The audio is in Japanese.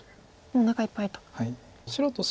もうおなかいっぱいと。